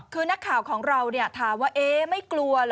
คือนักข่าวของเราถามว่าเอ๊ะไม่กลัวเหรอ